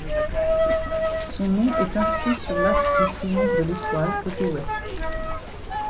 Son nom est inscrit sur l'arc de triomphe de l'Étoile, côté ouest.